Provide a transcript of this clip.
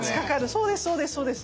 そうですそうですそうです。